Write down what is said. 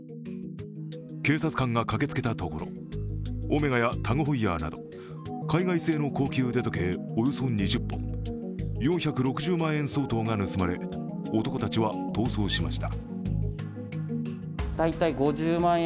警察官が駆けつけたところオメガやタグホイヤーなど海外製の高級腕時計、およそ２０本、４６０万円相当が盗まれ、男たちは逃走しました。